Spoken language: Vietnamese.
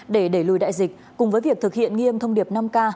để đẩy lùi đại dịch cùng với việc thực hiện nghiêm thông điệp năm k